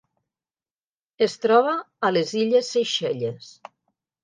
Es troba a les illes Seychelles.